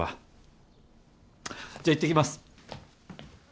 じゃあいってきます。